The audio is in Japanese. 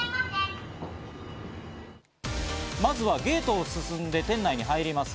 まずはゲートを進んで店内に入ります。